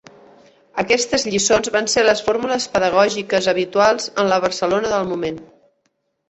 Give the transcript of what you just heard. Aquestes lliçons van ser les fórmules pedagògiques habituals en la Barcelona del moment.